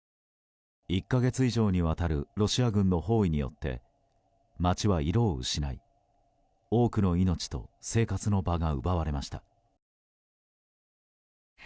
１か月以上にわたるロシア軍の包囲によって街は色を失い、多くの命と生活の場が奪われました。